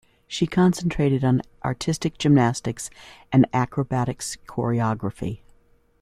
She concentrated on artistic gymnastics and acrobatics choreography.